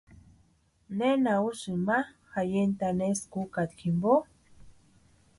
¿Nena úsïni ma jayentani eskwa ukata jimpo?